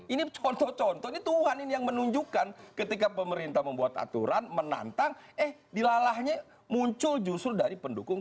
ini contoh contoh ini tuhan ini yang menunjukkan ketika pemerintah membuat aturan menantang eh dilalahnya muncul justru dari pendukung